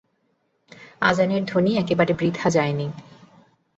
আজানের ধ্বনি একেবারে বৃথা যায় নি।